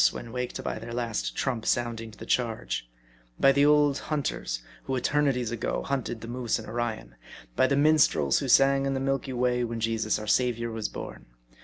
when waked by their Last Trump sounding to the charge ; by the old hunters, who eternities ago, hunted the moose in Orion ; by the minstrels, who sang in the Milky Way when Jesus our Saviour was born.